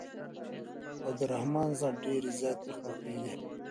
او د رحمن ذات ډېرې زياتي خوښې دي